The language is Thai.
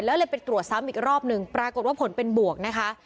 แล้วเลยไปตรวจซ้ำอีกรอบหนึ่งปรากฏว่าผลเป็นบวกนะคะ